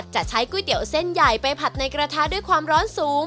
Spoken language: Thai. จะใช้ก๋วยเตี๋ยวเส้นใหญ่ไปผัดในกระทะด้วยความร้อนสูง